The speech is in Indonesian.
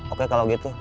oke kalau gitu